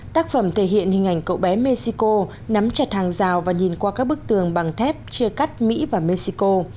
tác phẩm thể hiện hình ảnh cậu bé mexico nắm chặt hàng rào và nhìn qua các bức tường bằng thép chia cắt mỹ và mexico